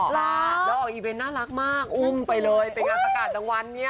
แล้วออกอีเวนต์น่ารักมากอุ้มไปเลยไปงานประกาศรางวัลเนี่ย